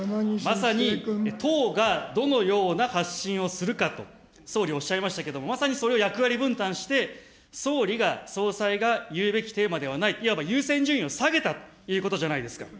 まさに党がどのような発信をするかと、総理おっしゃいましたけども、まさにそれを役割分担して、総理が、総裁が言うべきテーマではない、いわば優先順位を下げたということじゃないですか。